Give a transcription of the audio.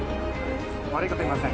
悪いことは言いません。